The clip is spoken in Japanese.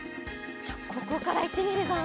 じゃここからいってみるぞ。